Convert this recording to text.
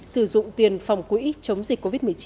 sử dụng tiền phòng quỹ chống dịch covid một mươi chín của đơn vị